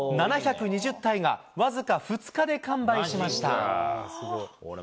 ７２０体が僅か２日で完売しました。